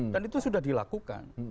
dan itu sudah dilakukan